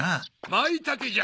マイタケじゃ。